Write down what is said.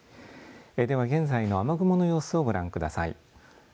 では、現在の雨雲の様子をご覧ください。